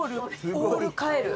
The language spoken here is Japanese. オールカエル。